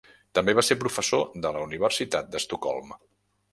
També va ser professor de la Universitat d'Estocolm.